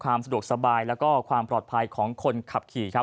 ส่วนสะดวกสบายและความปลอดภัยของคนขับขี่